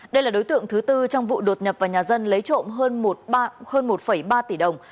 đây là đối tượng thứ tư trong vụ đột nhập vào nhà dân lấy trộm hơn một ba tỷ đồng